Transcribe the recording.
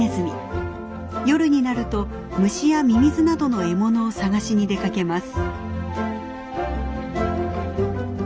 夜になると虫やミミズなどの獲物を探しに出かけます。